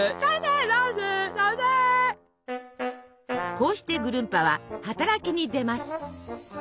こうしてぐるんぱは働きに出ます。